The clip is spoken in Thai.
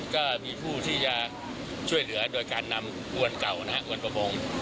ก็มีผู้ที่จะช่วยเหลือโดยการนำอวนเก่านะฮะอวนประมง